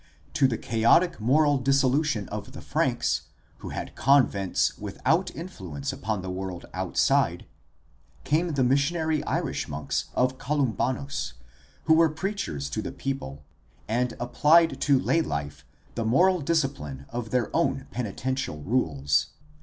To the chaotic moral dissolution of the Franks who had convents without influence upon the world outside came the missionary Irish monks of Columbanus who were preachers to the people and applied to lay life the moral discipline of their own penitential rules.